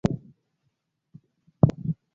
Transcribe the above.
باز محمد مبارز یو قوي لوبغاړی دی.